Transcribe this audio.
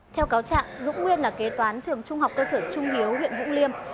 theo cáo trạng dũng nguyên là kế toán trường trung học cơ sở trung hiếu huyện vũng liêm